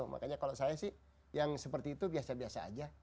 makanya kalau saya sih yang seperti itu biasa biasa aja